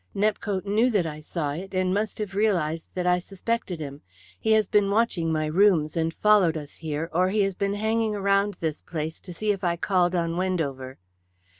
Nepcote knew that I saw it, and must have realized that I suspected him. He has been watching my rooms and followed us here, or he has been hanging around this place to see if I called on Wendover."